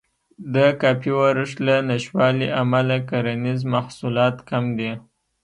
د کافي ورښت له نشتوالي امله کرنیز محصولات کم دي.